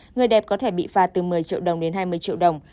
người đẹp có thể bị phạt từ một mươi triệu đồng đến hai mươi triệu đồng